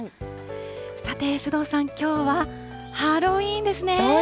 さて首藤さん、きょうはハロウィーンですね。